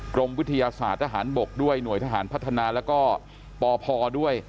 กรมวิทยาศาสตร์ทหารบกด้วยหน่วยทหารพัฒนาแล้วก็ปพด้วย